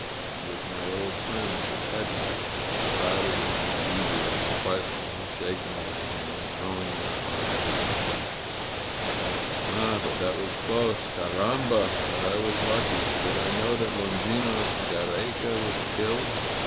It was my old friends, the peddlers. They crowded around eagerly, questioning, shaking my hand, throwing their arms around me. 97 INSURGENT MEXICO ^^Ah, but that was close! Carramba, but I was lucky! Did I know that Longinos Giiereca was killed?